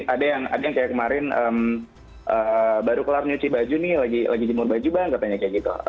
ada yang kayak kemarin baru kelar nyuci baju nih lagi jemur baju bang katanya kayak gitu